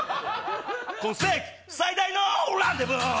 今世紀最大のランデブー！